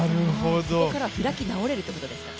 そこからは開き直れるということですか？